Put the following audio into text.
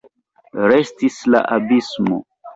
Restis la abismo.